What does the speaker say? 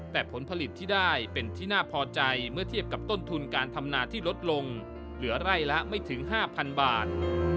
แต่ผลผลิตที่ได้เป็นที่น่าพอใจเมื่อเทียบกับต้นทุนการทำนาที่ลดลงเหลือไร่ละไม่ถึง๕๐๐๐บาท